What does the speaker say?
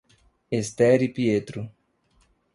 Esther e Pietro